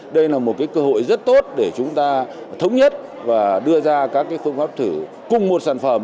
đây là một cơ hội rất tốt để chúng ta thống nhất và đưa ra các phương pháp thử cùng một sản phẩm